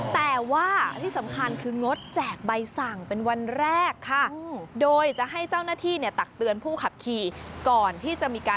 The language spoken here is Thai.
แต่ว่าที่สำคัญคืองฤทธิ์แจกใบสั่งเป็นวันแรกค่ะโดยจะให้เจ้าหน้าที่เนี่ยตักเตือนผู้ขับขี่